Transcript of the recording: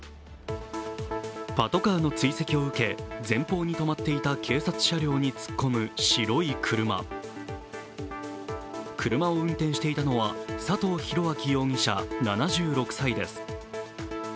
パトカーの追跡を受け、前方に止まっていた警察車両に突っ込む白い車車を運転していたのは佐藤廣明容疑者、７６歳です。